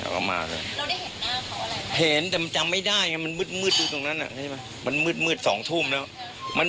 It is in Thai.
พี่สมหมายก็เลย